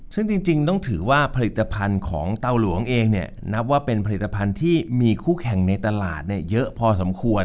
ซึ่งจริงต้องถือว่าผลิตภัณฑ์ของเตาหลวงเองเนี่ยนับว่าเป็นผลิตภัณฑ์ที่มีคู่แข่งในตลาดเยอะพอสมควร